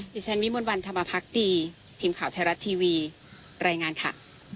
ดิฉันวิมวลวันธรรมพักดีทีมข่าวไทยรัฐทีวีรายงานค่ะ